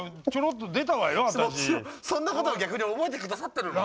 そんなことを逆に覚えてくださってるの？